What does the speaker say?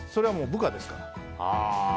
部下ですから。